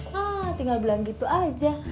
hah tinggal bilang gitu aja